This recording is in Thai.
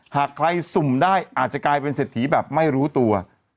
หากใครสุ่มได้อาจจะกลายเป็นเศรษฐีแบบไม่รู้ตัว